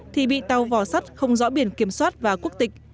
thì bị tàu vỏ sắt không rõ biển kiểm soát và quốc tịch